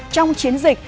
trong chiến dịch